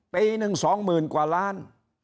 ปีหนึ่งสองหมื่นกว่าล้าน